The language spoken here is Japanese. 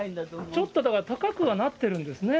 ちょっと高くはなってるんですね。